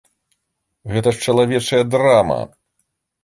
Гэта ж чалавечая драма!